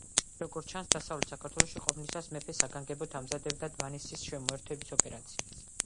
როგორც ჩანს, დასავლეთ საქართველოში ყოფნისას მეფე საგანგებოდ ამზადებდა დმანისის შემოერთების ოპერაციას.